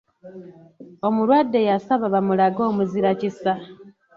Omulwadde yasaba bamulage omuzira kisa.